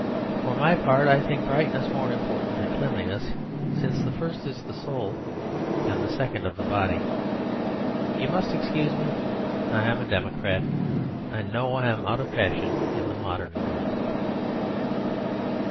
For my part, I think brightness more important than cleanliness; since the first is of the soul, and the second of the body. You must excuse me; I am a democrat; I know I am out of fashion in the modern world.